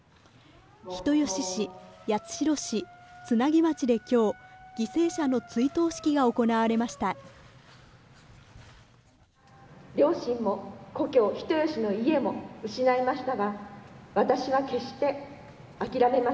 人吉市、八代市、津奈木町で今日、犠牲者の追悼式が行われました。